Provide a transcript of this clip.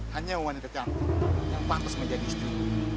hanya wanita cantik yang pantas menjadi istriku